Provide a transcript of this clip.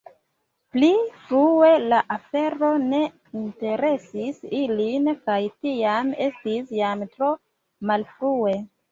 Pli frue la afero ne interesis ilin kaj tiam estis jam tro malfrue.”